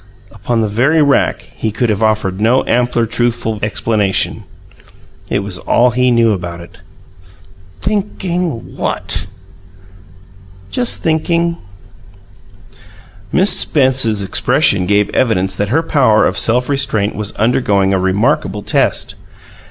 Upon the very rack he could have offered no ampler truthful explanation. It was all he knew about it. "Thinking what?" "Just thinking." Miss Spence's expression gave evidence that her power of self restraint was undergoing a remarkable test.